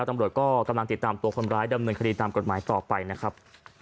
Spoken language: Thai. ตำรวจก็กำลังติดตามตัวคนร้ายดำเนินคดีตามกฎหมายต่อไปนะครับ